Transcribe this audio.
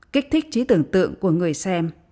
kích thích trí tưởng tượng của người xem